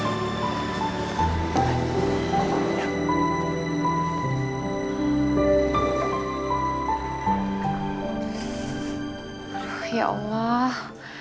aduh ya allah